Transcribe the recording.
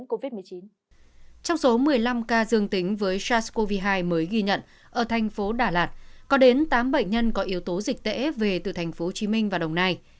có một mươi năm ca dương tính với sars cov hai mới ghi nhận ở thành phố đà lạt có đến tám bệnh nhân có yếu tố dịch tễ về từ thành phố hồ chí minh và đồng nai